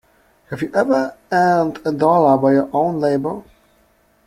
Have you ever earned a dollar by your own labour.